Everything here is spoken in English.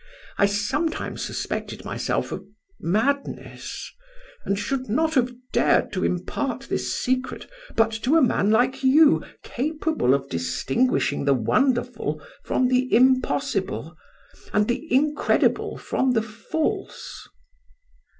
I sometimes suspected myself of madness, and should not have dared to impart this secret but to a man like you, capable of distinguishing the wonderful from the impossible, and the incredible from the false.